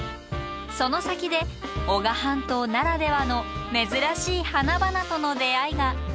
その先で男鹿半島ならではの珍しい花々との出会いが。